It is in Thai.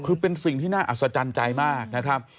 คือเป็นสิ่งที่น่าอัศจรรย์ใจมากนะครับ